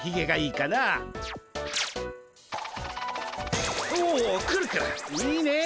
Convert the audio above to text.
いいねっ！